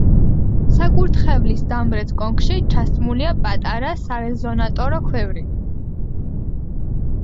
საკურთხევლის დამრეც კონქში ჩასმულია პატარა სარეზონატორო ქვევრი.